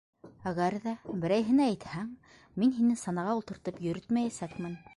Әгәр ҙә берәйһенә әйтһәң, мин һине санаға ултыртып йөрөтмәйәсәкмен.